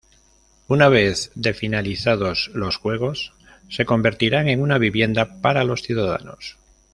Una vez de finalizados los juegos se convertirán en una vivienda para los ciudadanos.